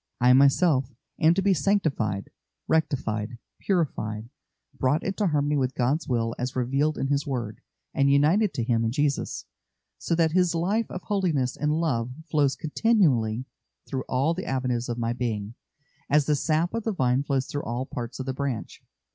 I myself am to be sanctified, rectified, purified, brought into harmony with God's will as revealed in His word, and united to Him in Jesus, so that His life of holiness and love flows continually through all the avenues of my being, as the sap of the vine flows through all parts of the branch.